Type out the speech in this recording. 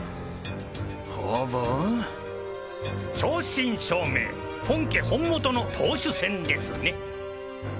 正真正銘本家本元の投手戦ですね。